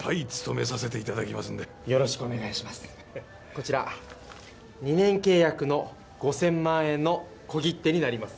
こちら２年契約の５，０００万円の小切手になります。